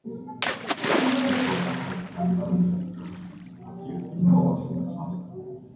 This was the first time an aircraft was used in a manhunt.